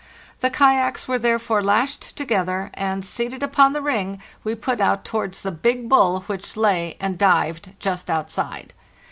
The kayaks were therefore lashed together, and, seated upon the ring, we put out towards the big bull which 94 FARTHEST NORTH Ono lay and dived just outside.